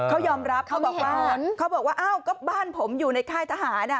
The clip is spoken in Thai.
เขายอมรับเขาบอกว่าเขาบอกว่าอ้าวก็บ้านผมอยู่ในค่ายทหาร